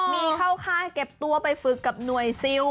มีเข้าค่ายเก็บตัวไปฝึกกับหน่วยซิล